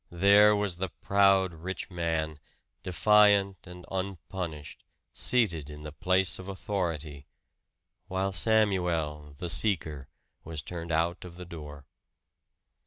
There was the proud rich man, defiant and unpunished, seated in the place of authority; while Samuel, the Seeker, was turned out of the door!